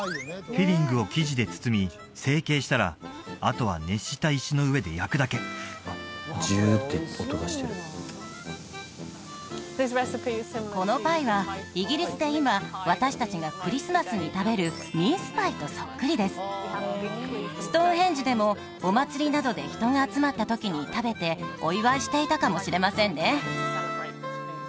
フィリングを生地で包み成形したらあとは熱した石の上で焼くだけこのパイはイギリスで今私達がクリスマスに食べるミンスパイとそっくりですストーンヘンジでもお祭りなどで人が集まった時に食べてお祝いしていたかもしれませんね